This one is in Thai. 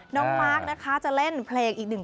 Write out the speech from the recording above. มาร์คนะคะจะเล่นเพลงอีกหนึ่ง